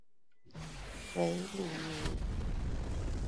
韦里尼。